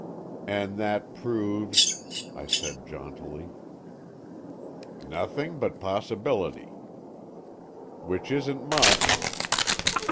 "And that proves?" I said, jauntily. "Nothing but possibility." "Which isn't much."